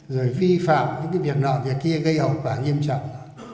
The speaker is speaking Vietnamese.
rồi vi phạm những cái việc nọ việc kia gây ẩu quả nghiêm trọng